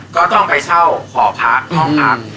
ก็ต้องไปเช่าหอพักห้องพัก